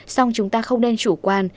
song chúng ta không nên chủ quan